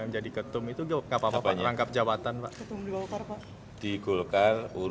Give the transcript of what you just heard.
jadi arahnya ada bakal mencopot jabatannya ya pak